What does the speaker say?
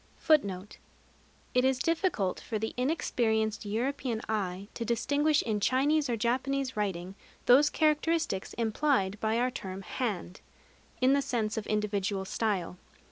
It is difficult for the inexperienced European eye to distinguish in Chinese or Japanese writing those characteristics implied by our term "hand" in the sense of individual style.